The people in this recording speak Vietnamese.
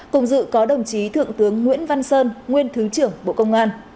cùng dự có đồng chí thượng tướng nguyễn văn sơn nguyên thứ trưởng bộ công an